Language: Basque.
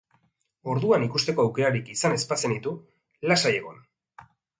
Orduan ikusteko aukerarik izan ez bazenitu, lasai egon!